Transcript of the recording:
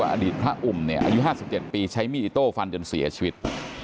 อดีตพระอุ่มเนี่ยอายุ๕๗ปีใช้มีดอิโต้ฟันจนเสียชีวิต